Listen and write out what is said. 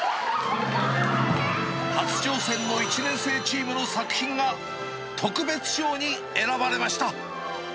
初挑戦の１年生チームの作品が特別賞に選ばれました。